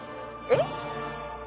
えっ？